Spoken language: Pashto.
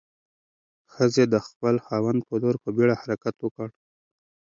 ښځې د خپل خاوند په لور په بیړه حرکت وکړ.